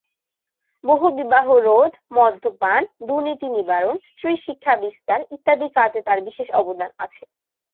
বহুবিবাহ রোধ, মদ্যপান, দুর্নীতি নিবারণ, স্ত্রী শিক্ষা বিস্তার ইত্যাদি কাজে তার বিশেষ অবদান আছে।